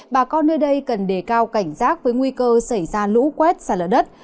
bà con nơi đây cần đề cao cảnh giác với nguy cơ xảy ra lũ quét xả lở đất